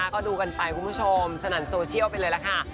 ก็ดูกันไปคุณผู้ชมสนั่นโซเชียลไปเลยล่ะค่ะ